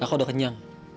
oh kakak udah kenyang